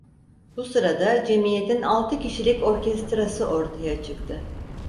Bu sırada cemiyetin altı kişilik orkestrası ortaya çıktı.